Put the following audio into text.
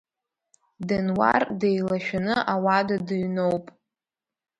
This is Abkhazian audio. Денуар деилашәаны ауада дыҩноуп.